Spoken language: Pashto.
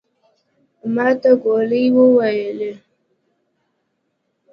ماته ګولي وويلې.